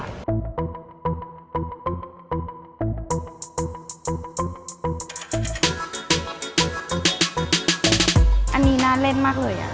อันนี้น่าเล่นมากเลย